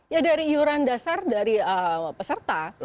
ya dari iuran dasar dari peserta